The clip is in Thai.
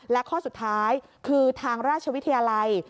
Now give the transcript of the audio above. และข้อสุดท้ายคือทางราชวิทยาลัย